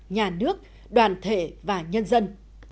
nhà nước đoàn thể và nhân dân